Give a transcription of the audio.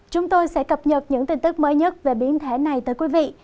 chúng tôi sẽ cập nhật những tin tức mới nhất về biến thể này tới quý vị